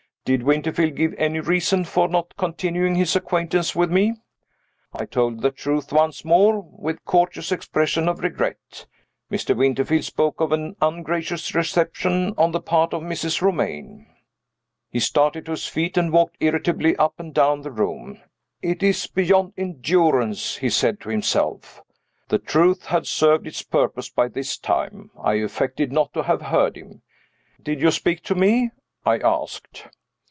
"Did Winterfield give any reason for not continuing his acquaintance with me?" I told the truth once more, with courteous expressions of regret. "Mr. Winterfield spoke of an ungracious reception on the part of Mrs. Romayne." He started to his feet, and walked irritably up and down the room. "It is beyond endurance!" he said to himself. The truth had served its purpose by this time. I affected not to have heard him. "Did you speak to me?" I asked.